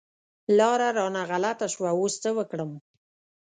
لاره رانه غلطه شوه، اوس څه وکړم؟